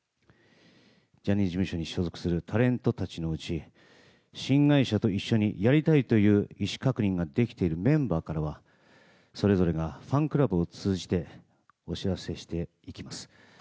ジャニーズ事務所に所属するタレントたちのうち新会社と一緒にやりたいという意思確認ができているメンバーからはそれぞれがファンクラブを通じてお知らせしていきます。